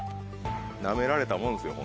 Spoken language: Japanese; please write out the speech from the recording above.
ナメられたものですよ